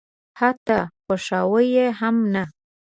حتی خواښاوه یې هم نه.